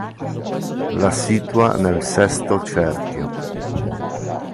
La situa nel sesto cerchio.